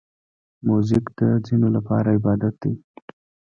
موزیک د ځینو لپاره عبادت دی.